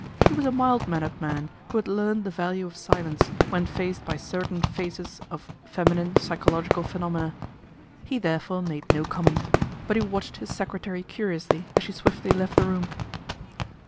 He was a mild mannered man who had learned the value of silence when faced by certain phases of MADNESS OF LORD PETER BOWEN 45 feminine psychological phenomena. He therefore made no comment ; but he watched his secretary curiously as she swiftly left the room.